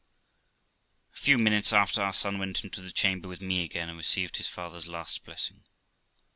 424 THE LIFE OF ROXANA A few minutes after our son went into the chamber with me again, and received his father's last blessing.